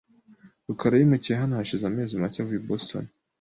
rukara yimukiye hano hashize amezi make avuye i Boston .